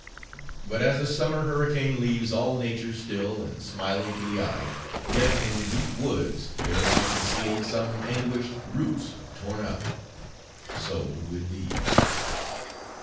But as a summer hurricane leaves all nature still, and smiling to the eye; yet, in deep woods, there lie concealed some anguished roots torn up:—so, with these.